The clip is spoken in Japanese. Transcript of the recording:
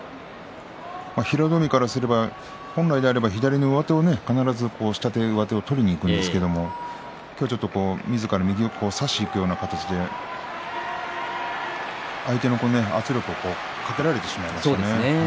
平戸海からすれば本来であれば左の上手を必ず左の下手を取りにいくんですけれども、みずから右を差しにいくような形で相手の圧力をかけられてしまいましたね。